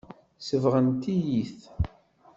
Sebɣent-iyi-t.